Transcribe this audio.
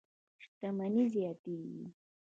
شتمنۍ زیاتېږي.